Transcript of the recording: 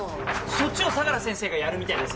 そっちを相良先生がやるみたいです。